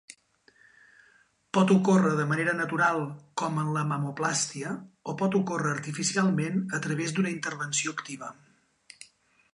Pot ocórrer de manera natural com en la mamoplàstia o pot ocórrer artificialment a través d'una intervenció activa.